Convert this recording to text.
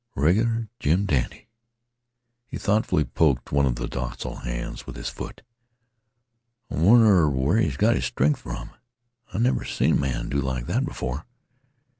"A reg'lar jim dandy." He thoughtfully poked one of the docile hands with his foot. "I wonner where he got 'is stren'th from? I never seen a man do like that before.